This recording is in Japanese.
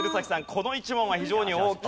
この１問は非常に大きい。